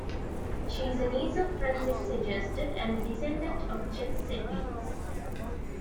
She is a niece of Francis Sejersted and a descendant of Jens Zetlitz.